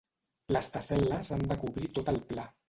Les tessel·les han de cobrir tot el pla.